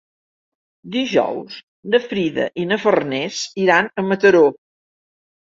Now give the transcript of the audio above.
Dijous na Frida i na Farners iran a Mataró.